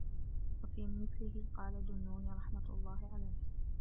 وَفِي مِثْلِهِ قَالَ ذُو النُّونِ رَحْمَةُ اللَّهِ عَلَيْهِ